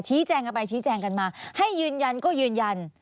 แจงกันไปชี้แจงกันมาให้ยืนยันก็ยืนยัน